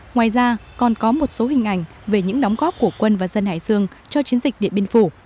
ngoài ra còn có một số hình ảnh về những đóng góp của quân và dân hải dương cho chiến dịch điện biên phủ